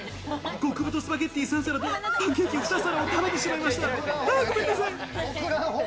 極太スパゲッティ３皿とパンケーキ２皿を食べてしまいました、あぁ、ごめんなさい。